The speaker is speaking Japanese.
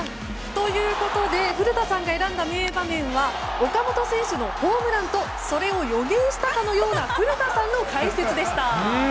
ということで古田さんが選んだ名場面は岡本選手のホームランとそれを予言したかのような古田さんの解説でした。